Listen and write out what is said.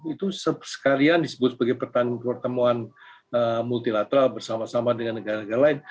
itu sekalian disebut sebagai pertemuan multilateral bersama sama dengan negara negara lain